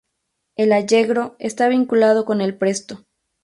El allegro está vinculado con el Presto.